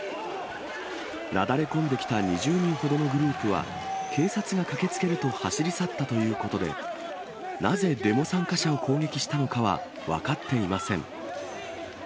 なだれ込んできた２０人ほどのグループは、警察が駆けつけると走り去ったということで、なぜデモ参加者を攻撃したのかは分かっていません。